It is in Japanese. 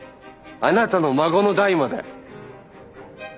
あなたの孫の代まで。